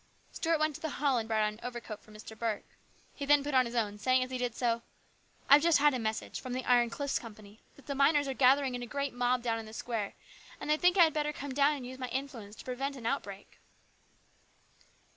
Stuart went to the hall and brought out an over coat for Mr. Burke. He then put on his own, saying as he did so, " I've just had a message from the Iron Cliffs Company that the miners are gathering in a great mob down in the square, and they think I had better come down and use my influence to prevent an outbreak."